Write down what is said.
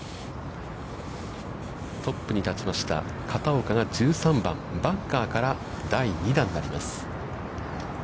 トップに立ちました片岡が１３番、バンカーから第２打になります。